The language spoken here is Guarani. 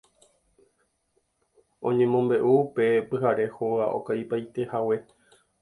Oñemombe'u upe pyhare hóga okaipaitehague